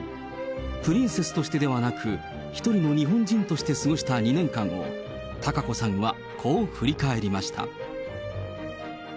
プリンセスとしてではなく、一人の日本人として過ごした２年間を、貴子さんはこう振り返りました。